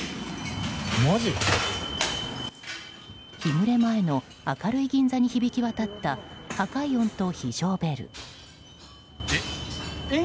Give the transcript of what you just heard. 日暮れ前の明るい銀座に響き渡った破壊音と非常ベル。